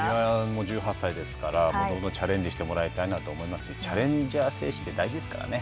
もう、１８歳ですからどんどんチャレンジしてもらいたいなと思いますしチャレンジャー精神って大事ですからね。